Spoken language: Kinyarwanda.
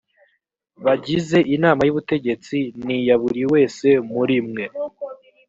bagize inama y ubutegetsi n iya buri wese muri mwe